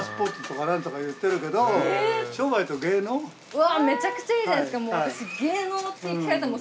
うわめちゃくちゃいいじゃないですかもう私。